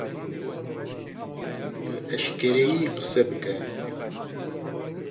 Bi eşkereyî qise bike!